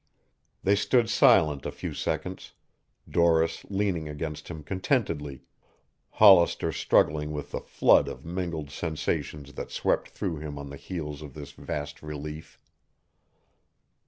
They stood silent a few seconds, Doris leaning against him contentedly, Hollister struggling with the flood of mingled sensations that swept through him on the heels of this vast relief.